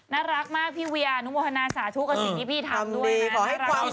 น่ารักมากพี่เวียอนุโมทนาสาธุกับสิ่งที่พี่ทำด้วยนะ